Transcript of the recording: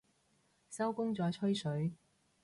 收工再吹水